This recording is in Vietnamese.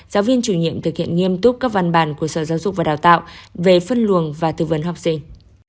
giáo viên chủ nhiệm thực hiện nghiêm túc các văn bản của sở giáo dục và đào tạo về phân luồng và tư vấn học sinh